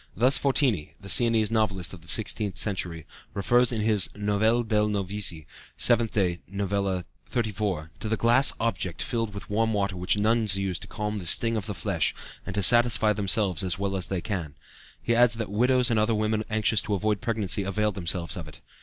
Thus Fortini, the Siennese novelist of the sixteenth century, refers in his Novelle dei Novizi (7th Day, Novella XXXIX) to "the glass object filled with warm water which nuns use to calm the sting of the flesh and to satisfy themselves as well as they can"; he adds that widows and other women anxious to avoid pregnancy availed themselves of it.